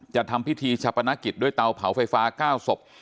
ทำพิธีชาปนกิจด้วยเตาเผาไฟฟ้า๙ศพ